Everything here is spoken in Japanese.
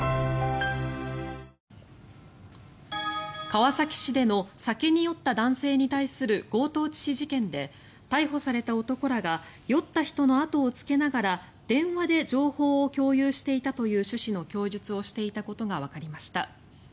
川崎市での酒に酔った男性に対する強盗致死事件で逮捕された男らが酔った人の後をつけながら電話で情報を共有していたという趣旨の供述をしていたことがわかりました。